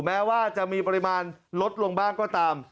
แม้ว่าจะมีปริมาณลดลงบ้างก็ตาม